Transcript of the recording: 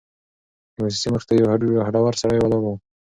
د موسسې مخې ته یو هډور سړی ولاړ و.